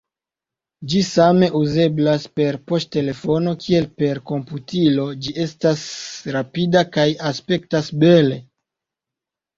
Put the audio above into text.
Ĝi same uzeblas per poŝtelefono kiel per komputilo, ĝi estas rapida kaj aspektas bele.